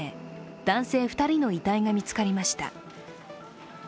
男性２人の遺体が見つかりました。